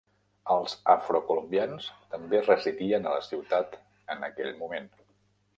Els afro-colombians també residien a la ciutat en aquell moment.